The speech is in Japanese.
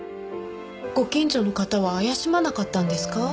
ご近所の方は怪しまなかったんですか？